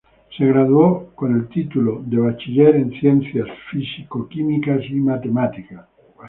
Se graduó con el título de de Bachiller en Ciencias Físico Químicas y Matemáticas.